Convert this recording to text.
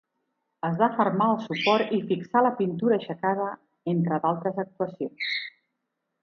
Es va afermar el suport i fixar la pintura aixecada, entre d'altres actuacions.